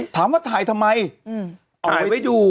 ถามว่าถ่ายทำไมเอาไปไว้ดู